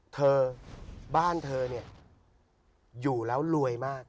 เธอบ้านเธอเนี่ยอยู่แล้วรวยมาก